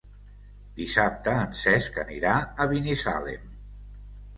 Dissabte en Cesc anirà a Binissalem.